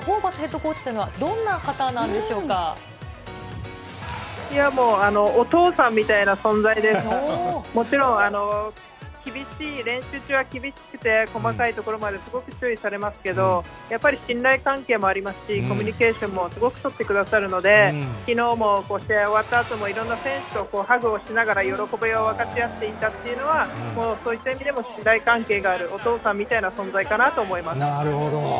キャプテンの高田選手から見て、ホーバスヘッドコーチというのは、もう、お父さんみたいな存在で、もちろん、厳しい、練習中は厳しくて細かいところまですごく注意されますけど、やっぱり信頼関係もありますし、コミュニケーションもすごく取ってくださるので、きのうもこうして終わったあといろんな選手とハグをしながら喜びを分かち合っていたというのは、そういった意味でも信頼関係がある、お父さんみたいな存在かなとなるほど。